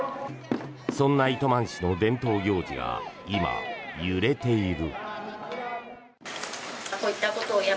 そんな糸満市の伝統行事が今揺れている。